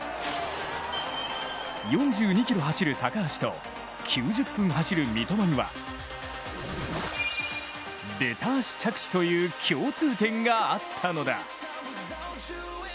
４２ｋｍ走る高橋と９０分走る三笘にはべた足着地という共通点があったのだ。